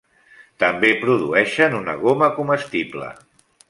També produeixen una goma comestible.